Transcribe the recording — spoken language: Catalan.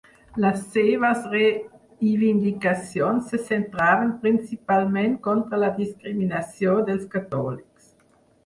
Les seves reivindicacions se centraven principalment contra la discriminació dels catòlics.